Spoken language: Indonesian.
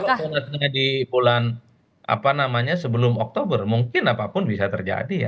kalau sebenarnya di bulan apa namanya sebelum oktober mungkin apapun bisa terjadi ya